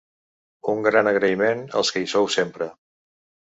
Un gran agraïment als que hi sou sempre.